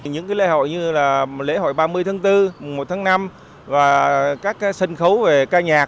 những cái lễ hội như là lễ hội ba mươi tháng bốn một tháng năm và các cái sân khấu về ca nhạc